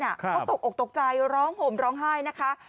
เขาตกอกตกใจร้องห่มร้องไห้นะคะ